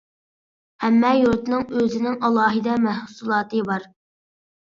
ھەممە يۇرتنىڭ ئۆزىنىڭ ئالاھىدە مەھسۇلاتى بار.